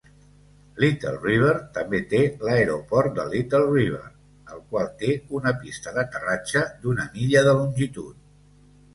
Little River també té l'aeroport de Little River, el qual té una pista d'aterratge d'una milla de longitud.